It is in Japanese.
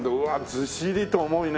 ずしりと重いね。